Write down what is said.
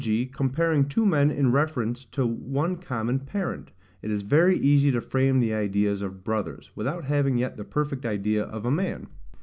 g. comparing two men in reference to one common parent, it is very easy to frame the ideas of brothers, without having yet the perfect idea of a man.